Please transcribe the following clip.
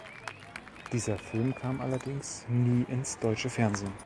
Dieser Film kam allerdings nie ins deutsche Fernsehen.